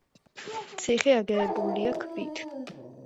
ციხე აგებულია ქვით.